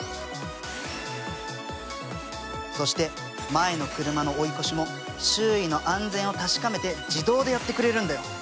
そして前の車の追い越しも周囲の安全を確かめて自動でやってくれるんだよ。